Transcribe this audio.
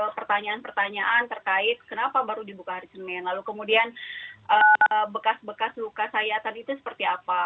pertanyaan pertanyaan terkait kenapa baru dibuka hari senin lalu kemudian bekas bekas luka sayatan itu seperti apa